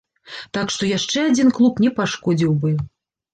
Так што яшчэ адзін клуб не пашкодзіў бы.